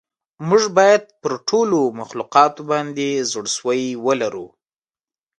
موږ باید پر ټولو مخلوقاتو باندې زړه سوی ولرو.